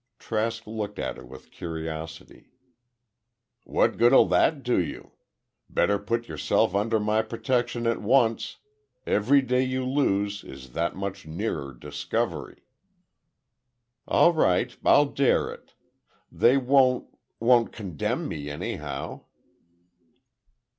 Trask looked at her with curiosity. "What good'll that do you? Better put yourself under my protection at once. Every day you lose is that much nearer discovery." "All right, I'll dare it! They won't—won't condemn me, anyhow."